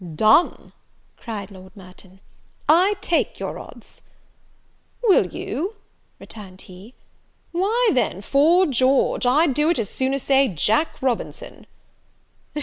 "Done!" cried Lord Merton; "I take your odds." "Will you?" returned he; "why, then, 'fore George, I'd do it as soon as say Jack Robinson."